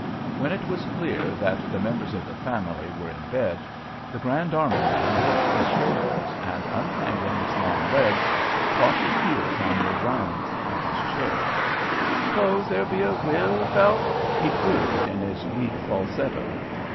When it was clear that the members of the family were in bed, the Grand Army man hitched his shoulders and, untangling his long legs, caught his heels on the rounds of his chair. "S'pose there'll be a will, Phelps?" he queried in his weak falsetto.